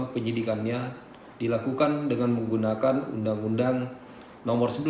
penyidikannya dilakukan dengan menggunakan undang undang nomor sebelas